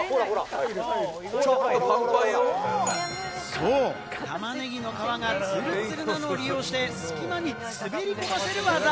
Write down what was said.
そう、タマネギの皮がツルツルなのを利用して、隙間に滑り込ませる技。